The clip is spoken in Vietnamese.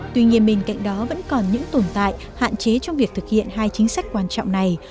tuy nhiên bên cạnh đó vẫn còn những tồn tại hạn chế trong việc thực hiện hai chính sách quan trọng này